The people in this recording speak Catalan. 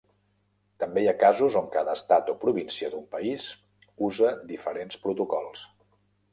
També hi ha casos on cada estat o província d'un país usa diferents Protocols.